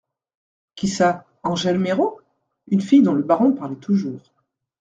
Qui ça, Angèle Méraud ? Une fille, dont le baron parlait toujours.